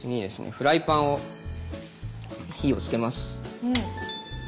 フライパンを火をつけます。